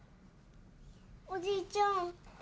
おじいちゃん。